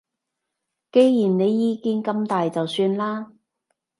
既然你意見咁大就算啦